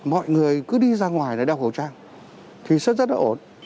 mọi người cứ đi ra ngoài để đeo khẩu trang thì sẽ rất là ổn